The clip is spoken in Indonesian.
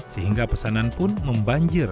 sehingga pesanan pun membanjir